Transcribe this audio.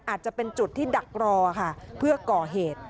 อาจจะเป็นจุดที่ดักรอค่ะเพื่อก่อเหตุ